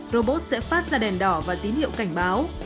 robot sẽ phát ra đèn đỏ và tín hiệu cảnh báo